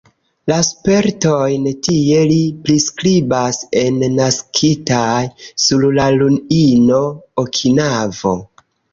La spertojn tie li priskribas en "Naskitaj sur la ruino: Okinavo".